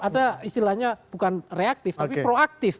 ada istilahnya bukan reaktif tapi proaktif